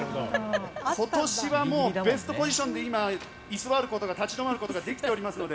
今年はもうベストポジションで立ち止まることができておりますので。